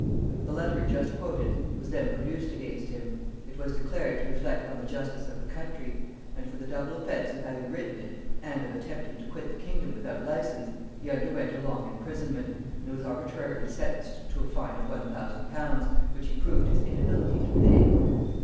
The letter just quoted was then produced against him; it was declared to reflect on the justice of the country; and for the double offence of having written it and of attempting to quit the kingdom without license, he underwent a long imprisonment, and was arbitrarily sentenced to a fine of one thousand pounds, which he proved his inability to pay.